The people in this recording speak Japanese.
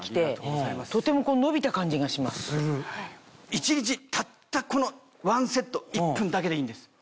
一日たったこのワンセット１分だけでいいんです。